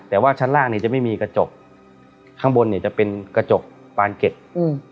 แต่ว่าชั้นล่างเนี้ยจะไม่มีกระจกข้างบนเนี้ยจะเป็นกระจกปานเก็ตอืม